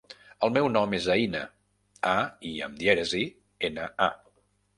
El meu nom és Aïna: a, i amb dièresi, ena, a.